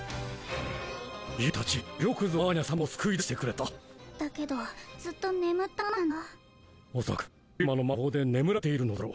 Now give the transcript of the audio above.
ＹＯＵたちよくぞアーニャ様を救い出してくれただけどずっと眠ったままなんだ恐らくリュウマの魔法で眠らされているのだろう